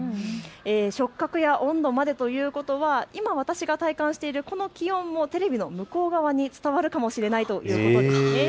触角や温度までということは今私が体感しているこの気温もテレビの向こう側に伝わるかもしれないということですね。